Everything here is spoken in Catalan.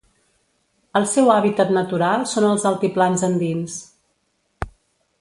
El seu hàbitat natural són els altiplans andins.